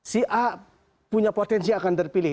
si a punya potensi akan terpilih